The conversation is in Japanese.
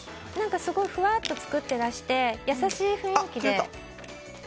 すごいふわっと作っていらして優しい雰囲気で。